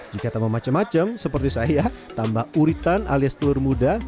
jika tambah macam macam seperti saya tambah uritan alias telur muda